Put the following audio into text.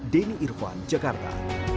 denny irwan jakarta